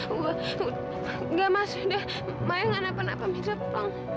enggak masih ada maya enggak nampak nampak mirza bohong